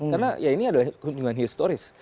karena ya ini adalah kunjungan historis